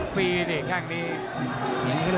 เพียวฟรีดิแค่งนี้